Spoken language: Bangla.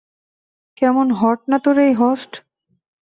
কেমন হট না তোর এই হোস্ট!